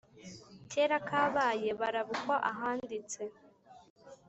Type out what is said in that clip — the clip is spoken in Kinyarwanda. kera kabaye barabukwa ahanditse